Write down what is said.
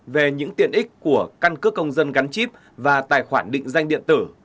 về những tiện ích của căn cước công dân gắn chip và tài khoản định danh điện tử